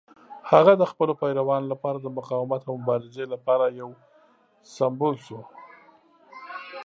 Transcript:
هغه د خپلو پیروانو لپاره د مقاومت او مبارزې لپاره یو سمبول شو.